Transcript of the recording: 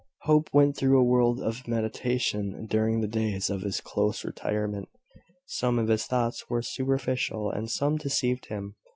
Hope went through a world of meditation during the days of his close retirement; some of his thoughts were superficial, and some deceived him.